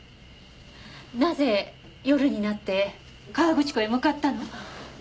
なぜ夜になって河口湖へ向かったの？